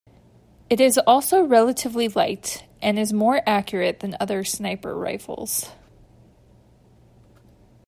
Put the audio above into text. It is also relatively light, and is more accurate than other sniper rifles.